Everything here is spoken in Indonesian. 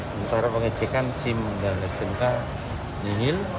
mentara pengecekan sim dan stnk nyihil